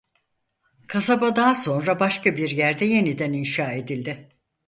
Kasaba daha sonra başka bir yerde yeniden inşa edildi.